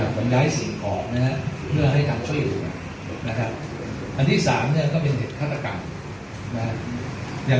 ส่วนแรกคือเรื่องการจัดเทียบร้านเรื่องการการกำหนัง